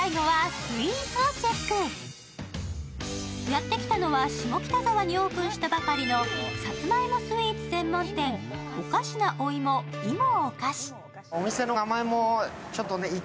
やってきたのは下北沢にオープンしたばかりのさつまいもスイーツ専門店、をかしなお芋“芋をかし”。